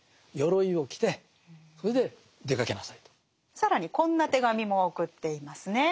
更にこんな手紙も送っていますね。